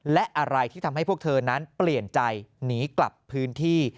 และอะไรที่ทำให้พวกเธอนั้นเปลี่ยนใจหนีกลับพื้นที่